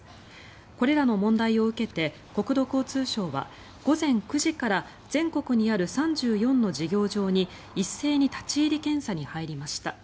これらの問題を受けて国土交通省は午前９時から全国にある３４の事業場に一斉に立ち入り検査に入りました。